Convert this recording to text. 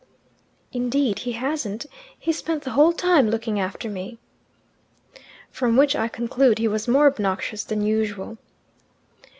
"Indeed he hasn't. He spent the whole time looking after me." "From which I conclude he was more obnoxious than usual."